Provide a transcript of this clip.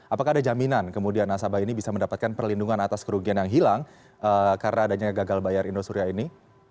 apakah ada jaminan kemudian nasabah ini bisa mendapatkan perlindungan atas kerugian yang hilang karena adanya gagal bayar indosuria ini